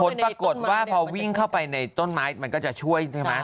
ผลปรากฏว่าพอวิ่งเข้าไปในต้นไม้มันก็จะช่วยใช่ไหม